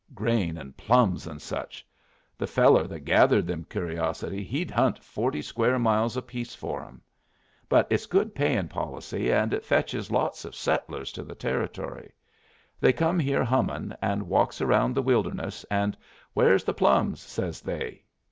Grain and plums and such. The feller that gathered them curiosities hed hunt forty square miles apiece for 'em. But it's good payin' policy, and it fetches lots of settlers to the Territory. They come here hummin' and walks around the wilderness, and 'Where's the plums?' says they.